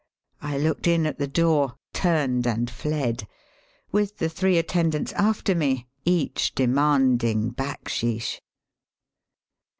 I looked in at the door, turned and fled, with the three attendants after me, each demand ing backsheesh.